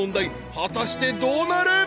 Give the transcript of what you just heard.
果たしてどうなる？